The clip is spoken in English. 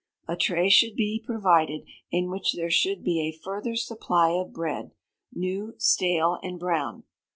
A tray should he provided, in which there should be a further supply of bread, new, stale, and brown.